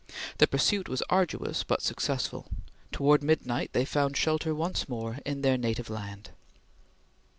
The pursuit was arduous but successful. Towards midnight they found shelter once more in their native land.